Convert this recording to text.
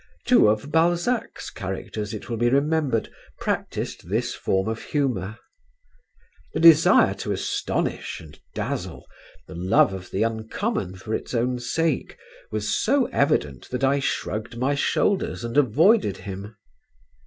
Two of Balzac's characters, it will be remembered, practised this form of humour. The desire to astonish and dazzle, the love of the uncommon for its own sake, was so evident that I shrugged my shoulders and avoided him.